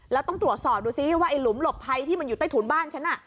แล้วต้องตรวจสอบดูซิว่าไอ้หลุมหลบภัยที่มันอยู่ใต้ถุนบ้านฉัน